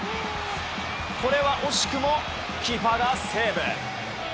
これは惜しくもキーパーがセーブ。